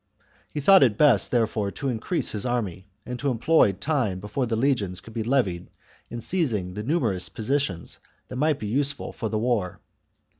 He thought it best, therefore, to increase his army, and to employ the time before the legions could be levied in seizing the numerous positions that might be useful for the war.